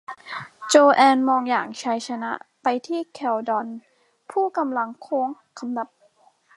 โจแอนมองอย่างชัยชนะไปที่เขลดอน ผู้กำลังโค้งคำนับ